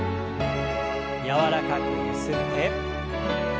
柔らかくゆすって。